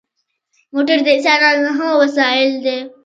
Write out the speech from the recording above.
موټر د انسان ښه وسایل دی.